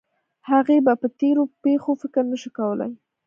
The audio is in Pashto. هغې به په تېرو پېښو فکر نه شو کولی